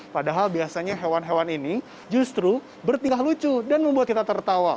padahal biasanya hewan hewan ini justru bertingkah lucu dan membuat kita tertawa